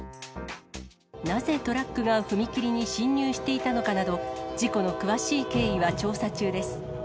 なぜトラックが踏切に侵入していたのかなど、事故の詳しい経緯は調査中です。